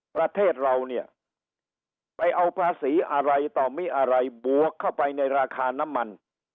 ประเทศเราเนี่ยไปเอาภาษีอะไรต่อมิอะไรบวกเข้าไปในราคาน้ำมัน